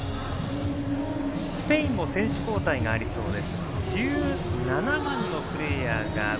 スペインも選手交代がありそうです。